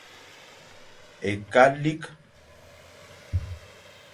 Ekalik.